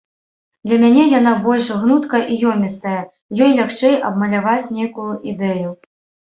Для мяне яна больш гнуткая і ёмістая, ёй лягчэй абмаляваць нейкую ідэю.